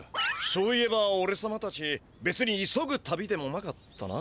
そういえばおれさまたちべつに急ぐ旅でもなかったな。